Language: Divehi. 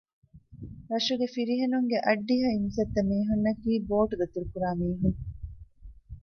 ރަށުގެ ފިރިހެނުންގެ އައްޑިހަ އިން ސައްތަ މީހުންނަކީ ބޯޓްދަތުރުކުރާ މީހުން